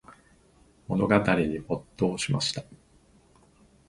物語に没頭しました。